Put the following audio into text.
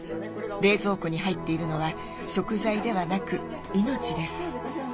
「冷蔵庫に入っているのは食材ではなく命」です。